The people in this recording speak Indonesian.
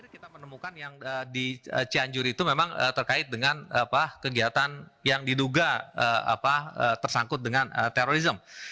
kita menemukan yang di cianjur itu memang terkait dengan kegiatan yang diduga tersangkut dengan terorisme